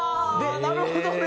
なるほどね！